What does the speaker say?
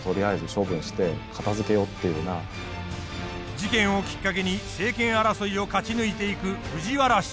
事件をきっかけに政権争いを勝ち抜いていく藤原氏。